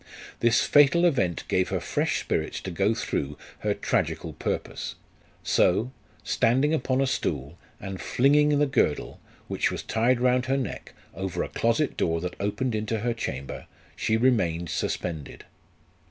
This fatal event gave her fresh spirits to go through her tragical purpose ; so, standing upon a stool, and flinging the girdle, which was tied round her neck, over a closet door that opened into her chamber, she remained suspended.